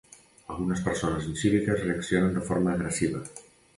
Algunes persones incíviques reaccionen de forma agressiva.